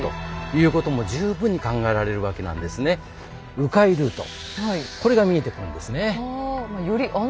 う回ルートこれが見えてくるんですね。